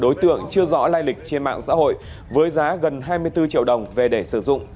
đối tượng chưa rõ lai lịch trên mạng xã hội với giá gần hai mươi bốn triệu đồng về để sử dụng